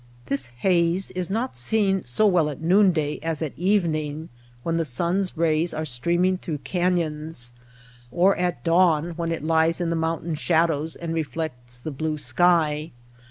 This haze is not seen so well at noonday as at evening when the sun^s rays are streaming through canyons, or at dawn when it lies in the mountain shadows and re flects the blue sky.